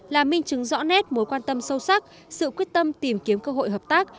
là minh chứng rõ nét mối quan tâm sâu sắc sự quyết tâm tìm kiếm cơ hội hợp tác